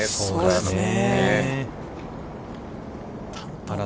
そうですね。